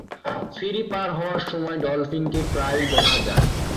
ফেরি পার হওয়ার সময় ডলফিনকে প্রায়ই দেখা যায়।